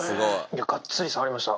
がっつり触れました。